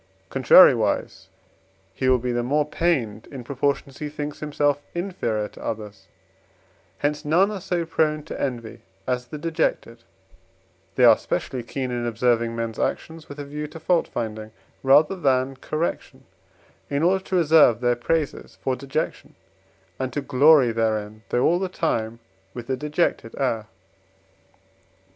Contrariwise, he will be the more pained in proportion as he thinks himself inferior to others; hence none are so prone to envy as the dejected, they are specially keen in observing men's actions, with a view to fault finding rather than correction, in order to reserve their praises for dejection, and to glory therein, though all the time with a dejected air.